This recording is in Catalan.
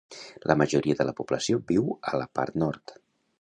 La majoria de la població viu a la part nord.